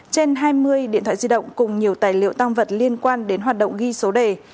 trên hai mươi điện thoại di động cùng nhiều tài liệu tăng vật liên quan đến hoạt động ghi số đề